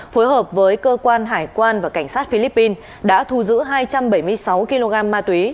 phối hợp với cơ quan hải quan và cảnh sát philippines đã thu giữ hai trăm bảy mươi sáu kg ma túy